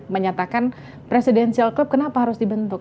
menyatakan presidential club kenapa harus dibentuk